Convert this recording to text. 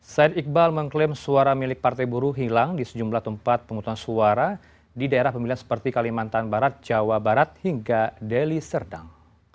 said iqbal mengklaim suara milik partai buruh hilang di sejumlah tempat penguturan suara di daerah pemilihan seperti kalimantan barat jawa barat hingga delhi serdang